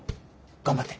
頑張って。